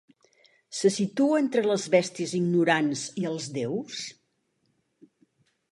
Se situa entre les bèsties ignorants i els déus?